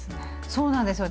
そうなんですよ。